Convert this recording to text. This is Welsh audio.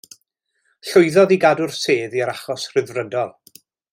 Llwyddodd i gadw'r sedd i'r achos Rhyddfrydol.